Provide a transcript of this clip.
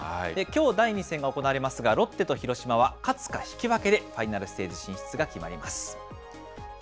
きょう第２戦が行われますが、ロッテと広島は勝つか引き分けでファイナルステージ進出が決まります。